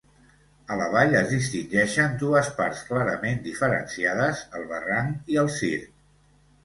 A la vall es distingeixen dues parts clarament diferenciades: el barranc i el circ.